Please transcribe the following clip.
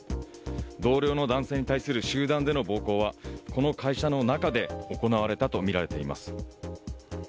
同僚の男性に対する集団での暴行はこの会社の中で行われたとみられています。